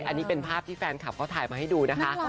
อันนี้เป็นภาพที่แฟนคลับเขาถ่ายมาให้ดูนะคะ